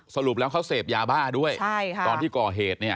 สรุปแล้วเขาเสพยาบ้าด้วยใช่ค่ะตอนที่ก่อเหตุเนี่ย